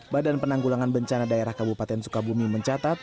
badan penanggulangan bencana daerah kabupaten sukabumi mencatat